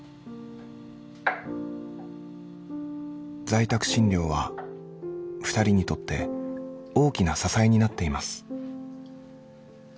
在宅診療は２人にとって大きな支えになっています。